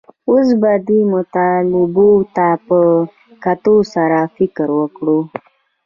اوس به دې مطالبو ته په کتو سره فکر وکړو